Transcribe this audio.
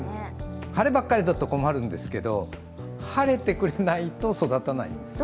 晴ればかりだと困るんですけど、晴れてくれないと育たないんですね。